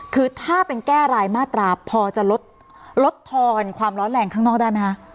คือถ้าเป็นแก้รายมาตราพอจะลดลดทอนความร้อนแรงข้างนอกได้ไหมคะ